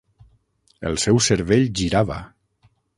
El seu cervell girava.